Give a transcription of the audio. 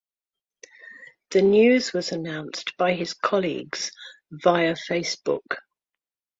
The news was announced by his colleagues via Facebook.